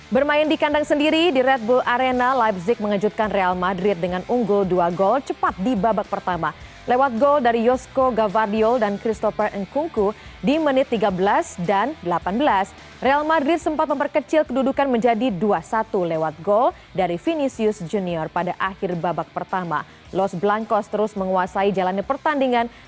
bersama dengan real madrid